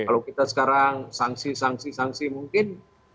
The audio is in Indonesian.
kalau kita sekarang sanksi sanksi mungkin